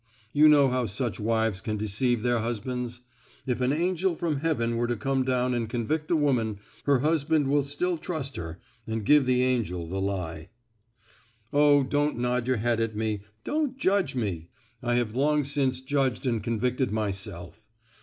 You know how such wives can deceive their husbands! If an angel from Heaven were to come down and convict a woman, her husband will still trust her, and give the angel the lie. "Oh! don't nod your head at me, don't judge me! I have long since judged and convicted myself.